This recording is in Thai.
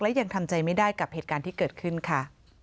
และยังทำใจไม่ได้กับเหตุการณ์ที่เกิดขึ้นค่ะ